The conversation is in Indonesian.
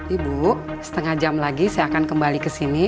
ibu setengah jam lagi saya akan kembali ke sini